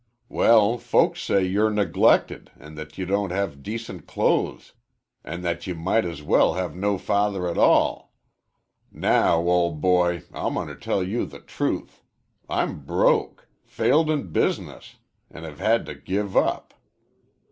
"Well, folks say you're neglected an' that you don't have decent clothes an' that you might as well have no father at all. Now, old boy, I'm going to tell you the truth; I'm broke failed in business, an' have had to give up.